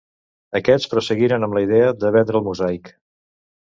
Aquests prosseguiren amb la idea de vendre el mosaic.